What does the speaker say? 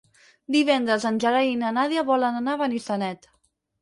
Divendres en Gerai i na Nàdia volen anar a Benissanet.